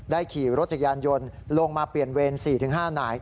ขี่รถจักรยานยนต์ลงมาเปลี่ยนเวร๔๕นาย